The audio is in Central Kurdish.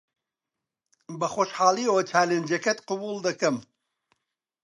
بەخۆشحاڵییەوە چالێنجەکەت قبوڵ دەکەم.